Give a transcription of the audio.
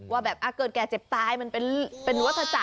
ว่าแบบเกิดแก่เจ็บตายมันเป็นวัฒจักร